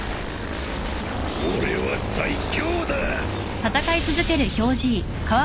俺は最強だ。